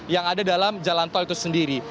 yang ada dalam jalan tol itu sendiri